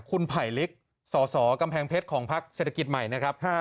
คุณไผลลิกสสกำแพงเพชรของพักเศรษฐกิจใหม่นะครับ